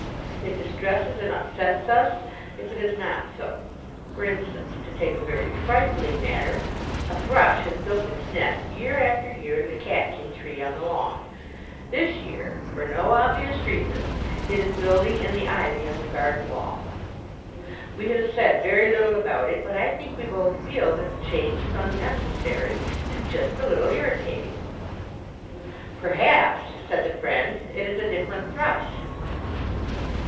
It distresses and upsets us if it is not so. For instance, to take a very trifling matter, a thrush has built its nest year after year in the catkin tree on the lawn; this year, for no obvious reason, it is building in the ivy on the garden wall. We have said very little about it, but I think we both feel that the change is unnecessary, and just a little irritating." "Perhaps," said the friend, "it is a different thrush."